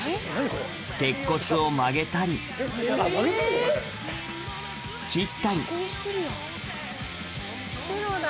鉄骨を曲げたり切ったりプロだ。